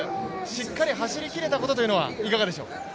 しっかり走り切れたことというのはいかがでしたでしょうか。